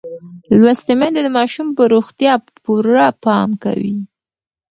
لوستې میندې د ماشوم پر روغتیا پوره پام کوي.